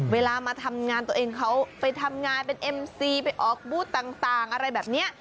เวลามาทำงานตัวเองเขาไปทำงานเป็นเอ็มซีไปออกบูธต่างอะไรแบบนี้